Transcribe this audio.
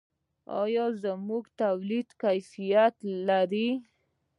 آیا زموږ تولیدات کیفیت لري؟